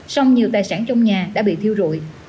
song nhiều tài sản trong nhà đã bị thiêu rụi